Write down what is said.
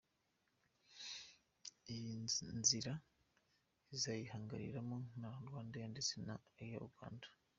Iyi nzira izayihanganiramo na Rwandair ndetse na Air Uganda.